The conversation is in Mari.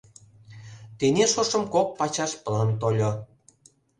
Тений шошым кок пачаш план тольо.